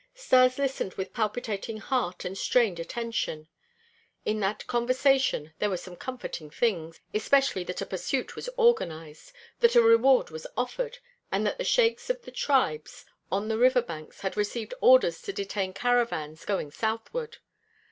Stas listened with palpitating heart and strained attention. In that conversation there were some comforting things, especially that a pursuit was organized, that a reward was offered, and that the sheiks of the tribes on the river banks had received orders to detain caravans going southward.